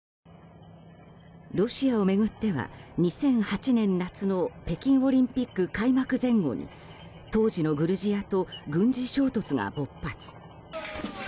ロシアを巡っては２００８年夏の北京オリンピック開幕前後に当時のグルジアと軍事衝突が勃発。